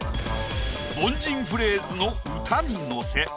凡人フレーズの「歌にのせ」。